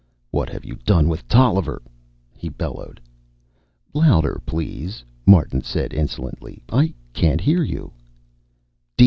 "What have you done with Tolliver?" he bellowed. "Louder, please," Martin said insolently. "I can't hear you."